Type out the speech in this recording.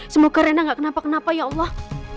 semoga rena gak kenapa kenapa ya allah